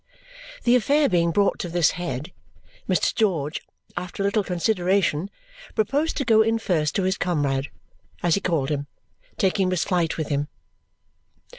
The affair being brought to this head, Mr. George, after a little consideration, proposed to go in first to his comrade (as he called him), taking Miss Flite with him.